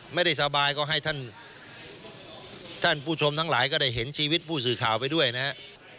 ไม่ได้สบายก็ให้ท่านท่านผู้ชมทั้งหลายก็ได้เห็นชีวิตผู้สื่อข่าวไปด้วยนะครับ